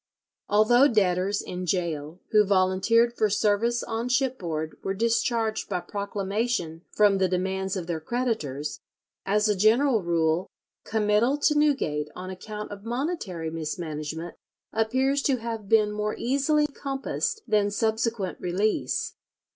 Although debtors in gaol who volunteered for service on shipboard were discharged by proclamation from the demands of their creditors, as a general rule committal to Newgate on account of monetary mismanagement appears to have been more easily compassed than subsequent release.